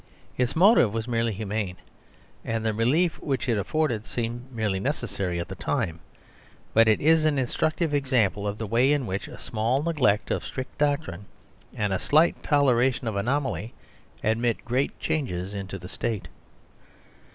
Its motive was merely humane, and the relief which it afforded seemed merely necessary at the time ; but it is an instructive example of the way in which a small neglect of strict doctrine and a slight toleration of anomaly admit great changes into the State.